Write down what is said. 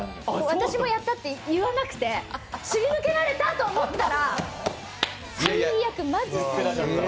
私もやったって言わなくて、すり抜けられたと思ったら最悪、マジ最悪。